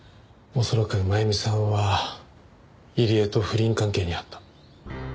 恐らく真弓さんは入江と不倫関係にあった。